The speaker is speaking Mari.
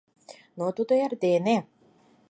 Но тудо эрдене